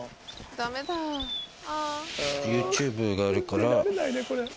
ＹｏｕＴｕｂｅがあるから。